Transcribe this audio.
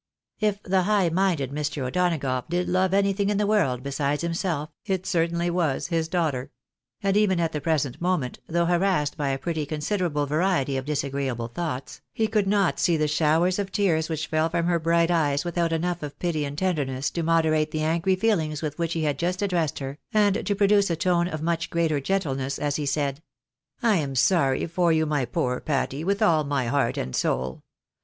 " If the high minded Mr. O'Donagough did love anything in the world besides himself, it certainly was his daughter ; and even at the present moment, though harassed by a pretty considerable variety of disagreeable thoughts, he could not see the showers of tears which fell from her bright eyes, without enough of pity and tender ness to moderate the angry feelings with which he had just addressed her, and to produce a tone of much greater gentleness as he said —" I am sorry for you, my poor Patty, with all my heart and soul.